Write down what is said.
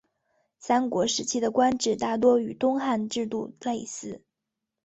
三国时期的官制大多与东汉制度类似。